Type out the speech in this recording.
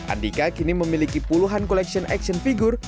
andika kini memiliki puluhan collection action figure